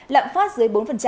lạm phát dưới bốn